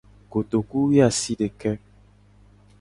Kotokuwoasideke.